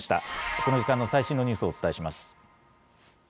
この時間の最新のニュースをお伝えします。